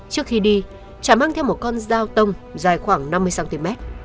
trước khi đi trả mang theo một con dao tông dài khoảng năm mươi cm